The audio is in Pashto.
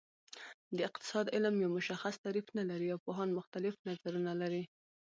د اقتصاد علم یو مشخص تعریف نلري او پوهان مختلف نظرونه لري